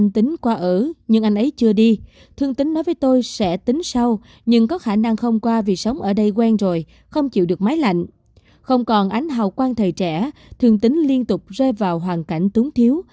thương tính liên tục rơi vào hoàn cảnh túng thiếu